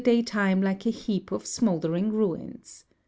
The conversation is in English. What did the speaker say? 115 daytime like a heap of smouldering ruins.